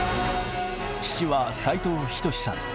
父は斉藤仁さん。